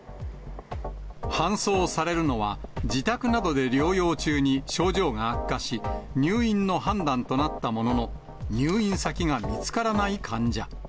搬送されるのは、自宅などで療養中に、症状が悪化し、入院の判断となったものの、入院先が見つからない患者。